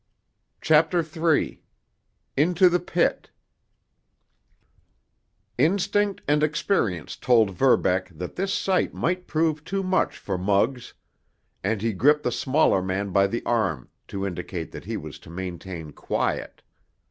CHAPTER III—INTO THE PIT Instinct and experience told Verbeck that this sight might prove too much for Muggs and he gripped the smaller man by the arm to indicate that he was to maintain quiet.